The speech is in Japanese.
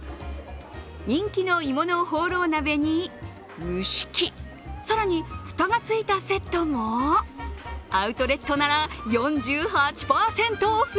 人気の鋳物ホーロー鍋に蒸し器、更に蓋がついたセットも、アウトレットなら４８％オフ。